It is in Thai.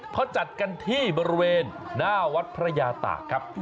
เขาจัดกันที่บริเวณหน้าวัดพระยาตากครับ